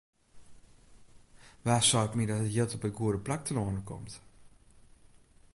Wa seit my dat it jild op it goede plak telâne komt?